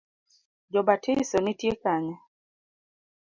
Jobatiso nitie kanye.